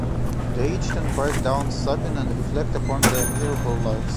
They each then break down sobbing and reflect upon their miserable lives.